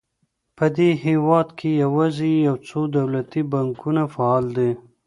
په دې هېواد کې یوازې یو څو دولتي بانکونه فعال دي.